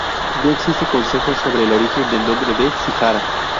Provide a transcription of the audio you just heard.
No existe consenso sobre el origen del nombre de Cijara.